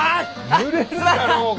ぬれるじゃろうが！